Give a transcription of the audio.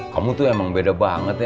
kamu tuh emang beda banget ya